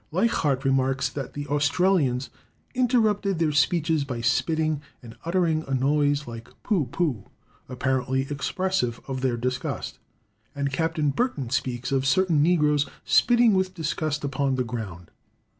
Leichhardt remarks that the Australians "interrupted their speeches by spitting, and uttering a noise like pooh! pooh! apparently expressive of their disgust." And Captain Burton speaks of certain negroes "spitting with disgust upon the ground."